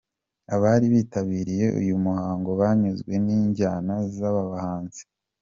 Abari bitabiriye uyu muhango banyuzwe n'injyana z'aba bahanzi.